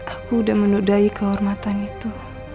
aku udah menodai kehormatan itu